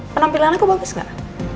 penampilan aku bagus gak